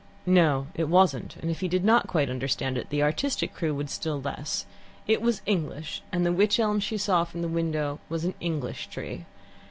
No, it wasn't; and if he did not quite understand it, the artistic crew would still less: it was English, and the wych elm that she saw from the window was an English tree.